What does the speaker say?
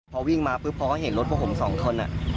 พอวิ่งมาปุ๊บพอเขาเห็นรถพวกผมสองคน